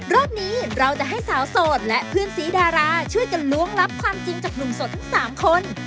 รอบนี้เราจะให้สาวโสดและเพื่อนสีดาราช่วยกันล้วงลับความจริงจากหนุ่มโสดทั้ง๓คน